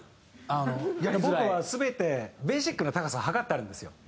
あの僕は全てベーシックな高さを測ってあるんですよ